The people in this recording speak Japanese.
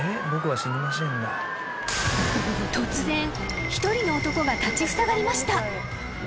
［突然一人の男が立ちふさがりました］